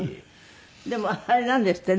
でもあれなんですって？